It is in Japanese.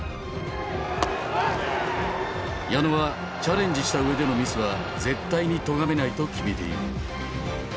矢野は「チャレンジした上でのミスは絶対にとがめない」と決めている。